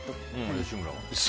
吉村は？